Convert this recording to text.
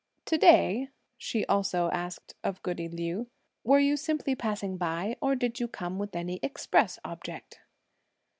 "To day," she also asked of goody Liu, "were you simply passing by? or did you come with any express object?"